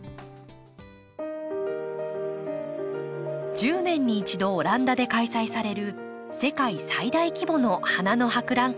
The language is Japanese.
１０年に１度オランダで開催される世界最大規模の花の博覧会。